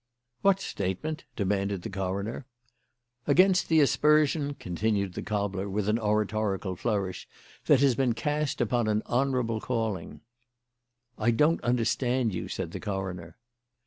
"What statement?" demanded the coroner. "Against the aspersion," continued the cobbler, with an oratorical flourish, "that has been cast upon a honourable calling." "I don't understand you," said the coroner.